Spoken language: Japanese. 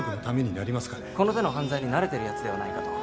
「この手の犯罪に慣れてるやつではないかと」